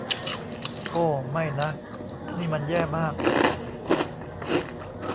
โอ้ ไม่นะ นี่มันแย่มาก